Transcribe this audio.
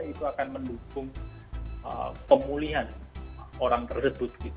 itu akan mendukung pemulihan orang tersebut